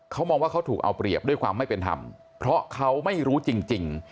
เขามองว่าเขาถูกเอาเปรียบด้วยความไม่เป็นธรรมเพราะเขาไม่รู้จริง